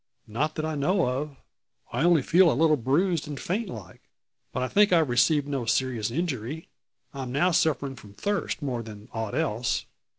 "Not that I know of. I only feel a little bruised and faint like; but I think I've received no serious injury. I'm now suffering from thirst, more than aught else."